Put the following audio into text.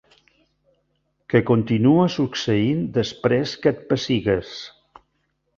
Que continua succeint després que et pessigues.